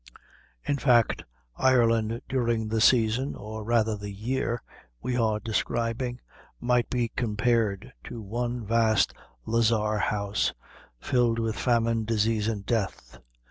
In fact, Ireland during the season, or rather the year, we are describing, might be compared to one vast lazar house filled with famine, disease and death.